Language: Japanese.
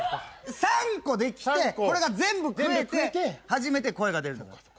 ⁉３個できてこれが全部食えて初めて声が出る。